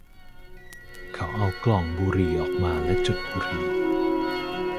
เขาเอากล่องบุหรี่ออกมาและจุดบุหรี่